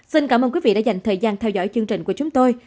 xin cảm ơn quý vị đã dành thời gian theo dõi chương trình của chúng tôi